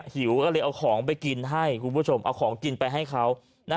หิวก็เลยเอาของไปกินให้คุณผู้ชมเอาของกินไปให้เขา